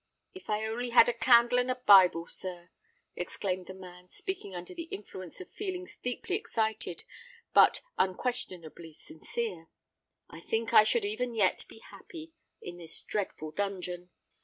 "If I only had a candle and a Bible, sir," exclaimed the man, speaking under the influence of feelings deeply excited but unquestionably sincere, "I think I should even yet be happy in this dreadful dungeon."